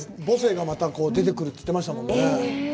母性がまた出てくるって言ってましたもんね。